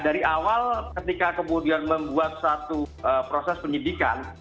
dari awal ketika kemudian membuat satu proses penyidikan